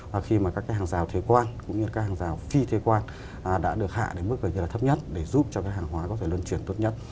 và khi mà các cái hàng rào thế quan cũng như các hàng rào phi thuế quan đã được hạ đến mức gần như là thấp nhất để giúp cho cái hàng hóa có thể lươn chuyển tốt nhất